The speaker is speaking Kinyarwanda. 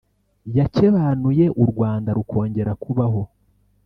yakebanuye u Rwanda rukongera kubaho”